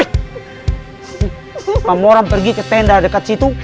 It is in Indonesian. lepas orang pergi ke tenda dekat situ